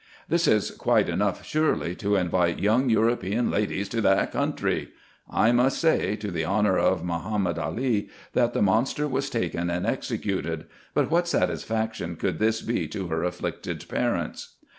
This is quite enough, surely, to invite young European ladies to that country ! I must say, to the honour of Mahomed Ali, that the monster was taken and executed : but what satisfaction could this be to her afflicted parents